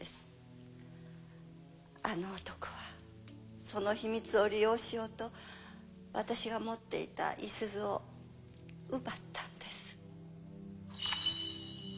あの男はその秘密を利用しようと私が持っていた五十鈴を奪ったんです。